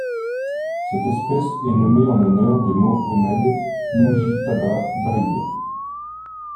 Cette espèce est nommée en l'honneur de Mohomed Mujythaba Bahir.